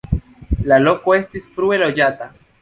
La loko estis frue loĝata.